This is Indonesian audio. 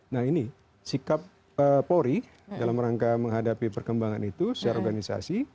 nah ini sikap polri dalam rangka menghadapi perkembangan itu secara organisasi